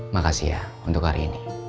makasih ya untuk hari ini